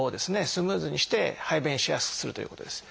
スムーズにして排便しやすくするということです。